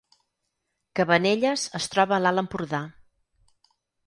Cabanelles es troba a l’Alt Empordà